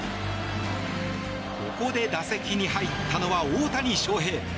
ここで打席に入ったのは大谷翔平。